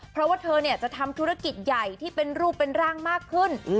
เพราะว่าเธอจะทำธุรกิจใหญ่ที่เป็นรูปเป็นร่างมากขึ้น